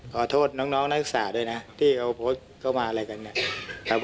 ขอโทษน้องนักศึกษาด้วยนะที่เขาโพสต์เข้ามาอะไรกันเนี่ยครับ